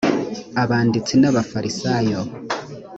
abanditsi n’abafarisayo